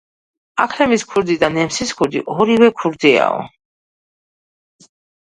აქლემის ქურდი და ნემსის ქურდი ორივე ქურდიაო.